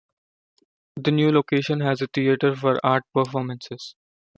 The new location has a theater for art performances.